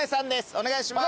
お願いします。